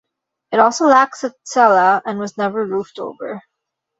It also lacks a cella and was never roofed over.